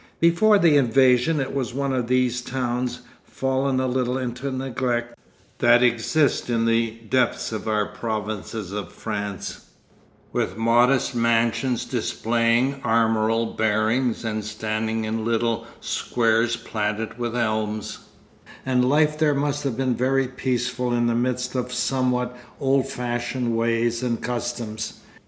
Before the invasion it was one of these towns, fallen a little into neglect, that exist in the depths of our provinces of France, with modest mansions displaying armorial bearings and standing in little squares planted with elms; and life there must have been very peaceful in the midst of somewhat old fashioned ways and customs.